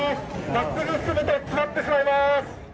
まっすぐ進むと詰まってしまいます。